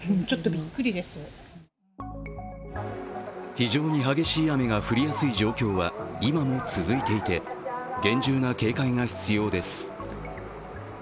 非常に激しい雨が降りやすい状況は今も続いていて、厳重な警戒が必要です。